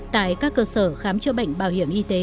tại các cơ sở khám chữa bệnh bảo hiểm y tế